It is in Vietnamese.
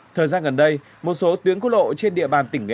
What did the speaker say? thời gian gần đây một số tuyến quốc lộ trên địa bàn tỉnh nghệ an